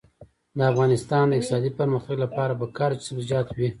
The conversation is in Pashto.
د افغانستان د اقتصادي پرمختګ لپاره پکار ده چې سبزیجات وي.